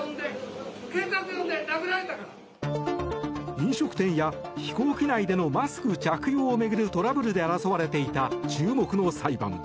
飲食店や飛行機内でのマスク着用を巡るトラブルで争われていた注目の裁判。